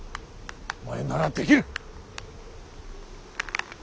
お前ならできる。